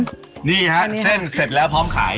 นี่ฮะเส้นเสร็จแล้วพร้อมขาย